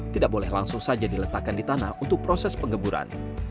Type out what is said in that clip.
tidak boleh langsung saja diletakkan di tanah untuk proses pengeburan